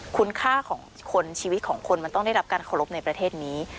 คุณค่าของคนชีวิตของคนมันต้องได้รับการเคารพในประเทศนี้